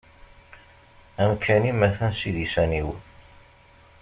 Amkan-im atan s idisan-iw.